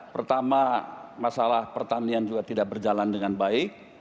pertama masalah pertanian juga tidak berjalan dengan baik